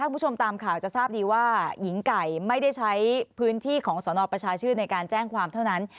ก็ไม่มีพื้นที่ของสทนประชาชื่นในการแจ้งความเท่านั้น